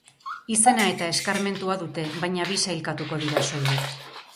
Izena eta eskarmentua dute, baina bi sailkatuko dira soilik.